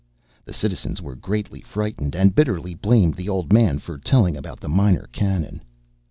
The citizens were greatly frightened, and bitterly blamed the old man for telling about the Minor Canon.